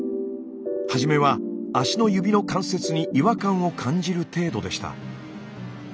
初めは足の指の関節に違和感を感じる程度でした。